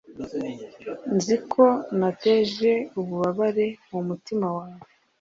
nzi ko nateje ububabare mu mutima wawe